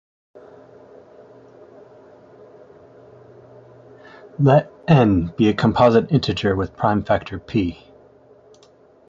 Let "n" be a composite integer with prime factor "p".